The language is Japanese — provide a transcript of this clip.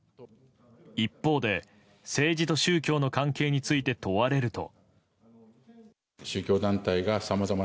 一方で、政治と宗教の関係について問われると。